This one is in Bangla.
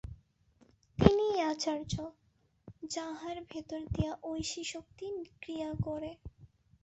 তিনিই আচার্য, যাঁহার ভিতর দিযা ঐশী শক্তি ক্রিয়া করে।